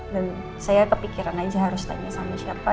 dan saya kepikiran aja harus tanya sama siapa